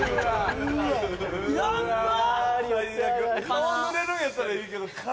顔ぬれるんやったらいいけど。